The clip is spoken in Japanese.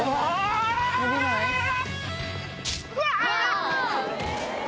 うわ